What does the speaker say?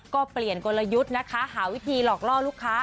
ก็เปลี่ยนกลยุทธ์นะคะหาวิธีหลอกล่อลูกค้า